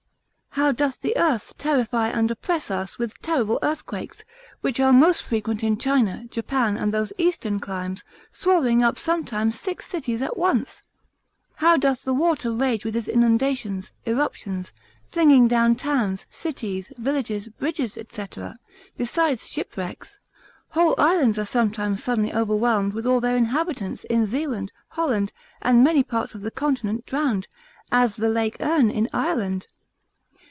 How doth the earth terrify and oppress us with terrible earthquakes, which are most frequent in China, Japan, and those eastern climes, swallowing up sometimes six cities at once? How doth the water rage with his inundations, irruptions, flinging down towns, cities, villages, bridges, &c. besides shipwrecks; whole islands are sometimes suddenly overwhelmed with all their inhabitants in Zealand, Holland, and many parts of the continent drowned, as the lake Erne in Ireland?